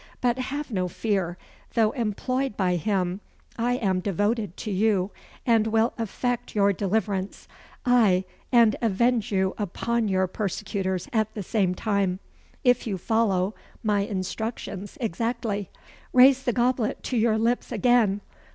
But have no fear. Though employed by him, I am devoted to you, and will effect your deliverance ay, and avenge you upon your persecutors at the same time if you follow my instructions exactly. Raise the goblet to your lips again.